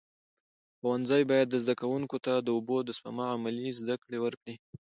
ښوونځي باید زده کوونکو ته د اوبو د سپما عملي زده کړه ورکړي.